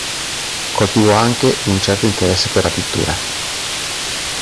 Coltivò anche un certo interesse per la pittura.